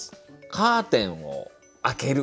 「カーテンを開ける」。